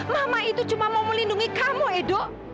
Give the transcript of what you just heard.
mama itu cuma mau melindungi kamu edo